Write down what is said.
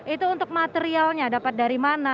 itu untuk materialnya dapat dari mana